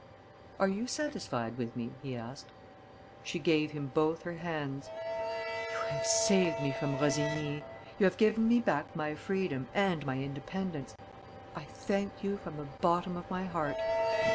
"Are you satisfied with me?" he asked. She gave him both her hands: "You have saved me from Rossigny. You have given me back my freedom and my independence. I thank you from the bottom of my heart."